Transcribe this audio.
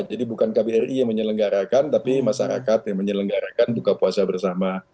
jadi bukan kbri yang menyelenggarakan tapi masyarakat yang menyelenggarakan buka puasa bersama